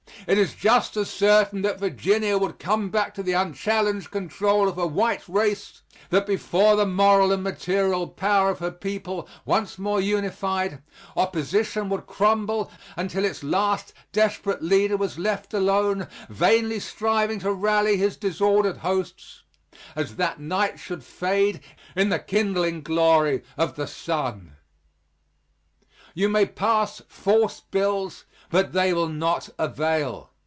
It is just as certain that Virginia would come back to the unchallenged control of her white race that before the moral and material power of her people once more unified, opposition would crumble until its last desperate leader was left alone, vainly striving to rally his disordered hosts as that night should fade in the kindling glory of the sun. You may pass force bills, but they will not avail.